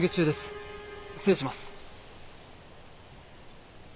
失礼します。